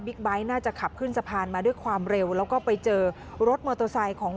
ไบท์น่าจะขับขึ้นสะพานมาด้วยความเร็วแล้วก็ไปเจอรถมอเตอร์ไซค์ของ